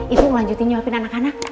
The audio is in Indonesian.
ibu lanjutin nyoepin anak anak